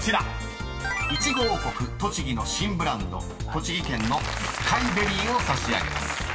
［いちご王国・栃木の新ブランド栃木県のスカイベリーを差し上げます］